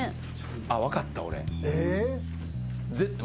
あっ分かった俺。